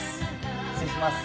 失礼します。